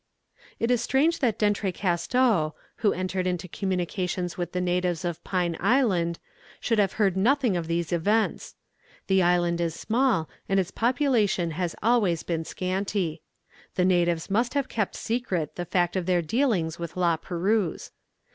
It is strange that D'Entrecasteaux, who entered into communications with the natives of Pine Island, should have heard nothing of these events. The island is small, and its population has always been scanty. The natives must have kept secret the fact of their dealings with La Perouse.